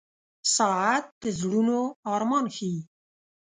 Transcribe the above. • ساعت د زړونو ارمان ښيي.